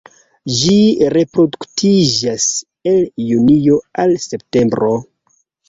Ĝi reproduktiĝas el junio al septembro.